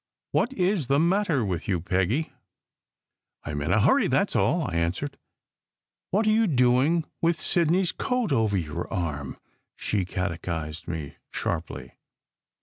What is the matter with you, Peggy?" "I m in a hurry, that s all," I answered. " What are you doing with Sidney s coat over your arm?" she catechized me sharply.